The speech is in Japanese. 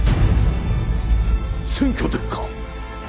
選挙でっか！？